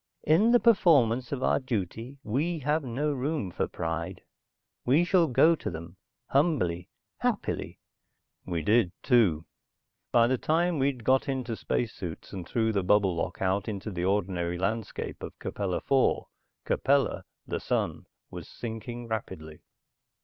In the performance of our duty, we have no room for pride. We shall go to them, humbly, happily." We did, too. By the time we'd got into space suits and through the bubble lock out into the ordinary landscape of Capella IV, Capella, the sun, was sinking rapidly.